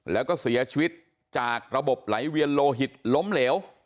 แล้วก็เสียชีวิตจากระบบไหลเวียนโลหิตล้มเหลว